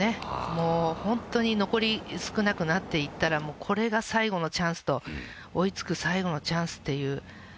もう、本当に残り少なくなっていったら、これが最後のチャンスと、追いつく最後のチャンスっていう。